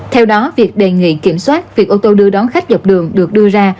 theo đó việc đề nghị kiểm soát việc ô tô đưa đón khách dọc đường được đưa ra